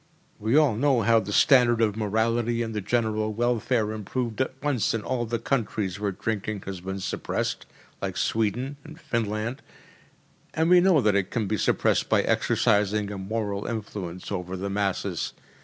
We all know how the standard of morality and the general welfare improved at once in all the countries where drinking has been suppressed like Sweden and Finland, and we know that it can be suppressed by exercising a moral influence over the masses.